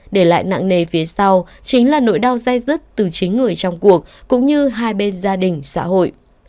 để lại nặng nề phía sau chính là nỗi đau dai dứt từ chính người trong cuộc cũng như hai bên gia đình xã hội